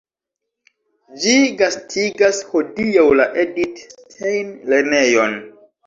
Ĝi gastigas hodiaŭ la Edith-Stein-lernejon.